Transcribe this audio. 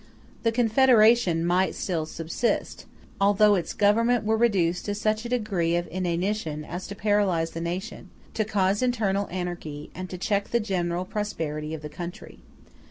The confederation might still subsist, although its Government were reduced to such a degree of inanition as to paralyze the nation, to cause internal anarchy, and to check the general prosperity of the country.